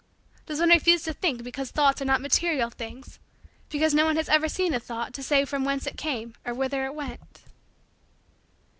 Does one refuse to think because thoughts are not material things because no one has ever seen a thought to say from whence it came or whither it went?